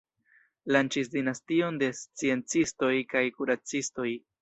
Lanĉis dinastion de sciencistoj kaj kuracistoj.